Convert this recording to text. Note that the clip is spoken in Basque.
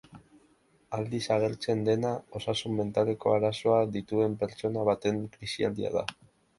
Aldiz, agertzen dena osasun mentaleko arazoak dituen pertsona baten krisialdia da.